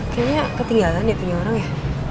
kayaknya ketinggalan ya tujuh orang ya